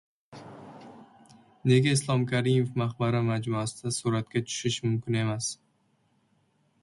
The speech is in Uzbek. Nega Islom Karimov maqbara majmuasida suratga tushish mumkin emas?